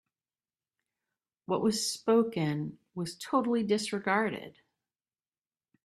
What was spoken was totally disregarded.